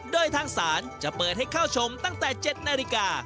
โดยทางศาลจะเปิดให้เข้าชมตั้งแต่๗นาฬิกา